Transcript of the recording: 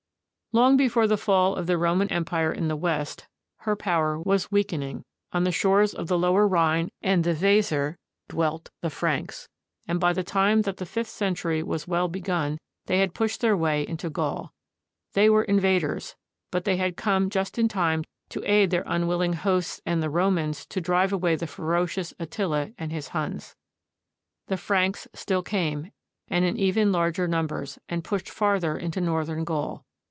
Long before the fall of the Roman Empire in the West, her power was weakening. On the shores of the lower Rhine and the Weser dwelt the Franks, and by the time that the fifth century was well begun, they had pushed their way into Gaul. They were invaders, but they had come just in time to aid their unwilling hosts and the Romans to drive away the ferocious Attila and his Huns.^ The Franks still came, and in even larger numbers, and pushed farther into northern Gaul.